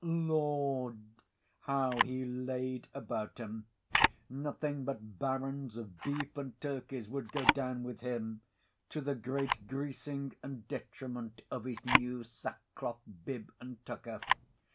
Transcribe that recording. Lord! how he laid about him! Nothing but barons of beef and turkeys would go down with him—to the great greasing and detriment of his new sackcloth bib and tucker.